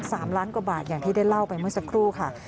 สามล้านกว่าบาทอย่างที่ได้เล่าไปเมื่อสักครู่ค่ะ